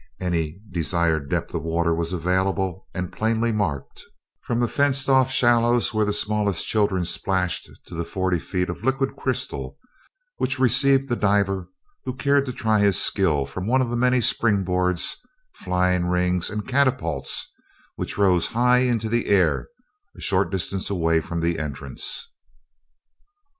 Any desired depth of water was available and plainly marked, from the fenced off shallows where the smallest children splashed to the forty feet of liquid crystal which received the diver who cared to try his skill from one of the many spring boards, flying rings, and catapults which rose high into the air a short distance away from the entrance.